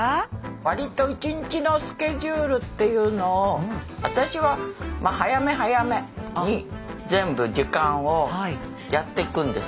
割と一日のスケジュールっていうのを私は早め早めに全部時間をやっていくんです。